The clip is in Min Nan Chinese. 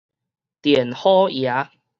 電虎爺